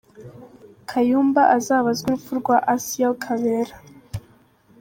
Kayumba azabazwe urupfu rwa Assiel Kabera